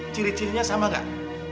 ciri cirinya sama gak